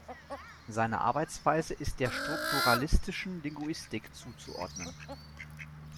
Seine Arbeitsweise ist der strukturalistischen Linguistik zuzuordnen.